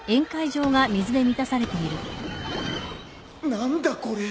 何だこれ！？